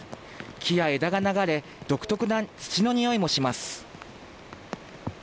木や枝が流れ、独特な土のにおいもします。